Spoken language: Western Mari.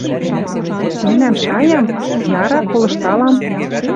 «Мӹлӓм шаям? Яра, колышталам.